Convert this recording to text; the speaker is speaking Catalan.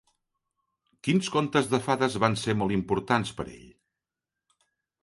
Quins contes de fades van ser molt importants per ell?